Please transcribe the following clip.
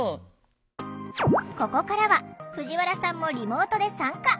ここからは藤原さんもリモートで参加。